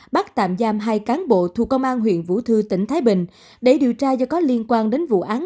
bắt tạm giam hai cán bộ thuộc công an huyện vũ thư tỉnh thái bình để điều tra do có liên quan đến vụ án